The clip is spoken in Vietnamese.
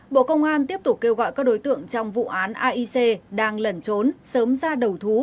bộ công an tiếp tục kêu gọi các đối tượng trong vụ án aic đang lẩn trốn ra đầu thú